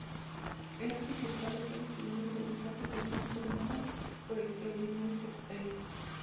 El arco triunfal está sostenido sobre cuatro columnas coronadas por extraordinarios capiteles.